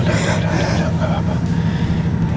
udah udah udah gak apa apa